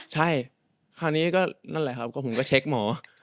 ใช่คราวนี้ก็นั่นแหละครับก็ผมก็เช็คหมอ